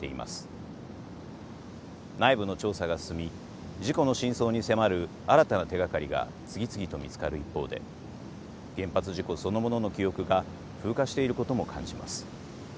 内部の調査が進み事故の真相に迫る新たな手がかりが次々と見つかる一方で原発事故そのものの記憶が風化していることも感じます。